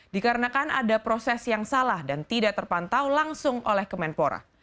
dikarenakan ada proses yang salah dan tidak terpantau langsung oleh kemenpora